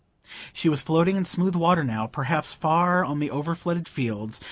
She was floating in smooth water now,—perhaps far on the overflooded fields.